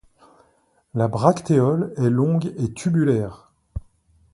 La bractéole est longue et tubulaire.